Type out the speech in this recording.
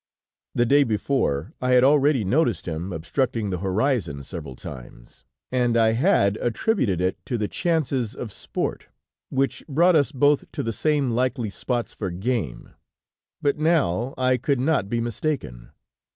The day before, I had already noticed him obstructing the horizon several times, and I had attributed it to the chances of sport, which brought us both to the same likely spots for game, but now I could not be mistaken!